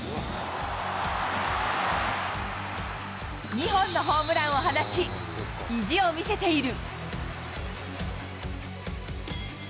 ２本のホームランを放ち、意地を見せている。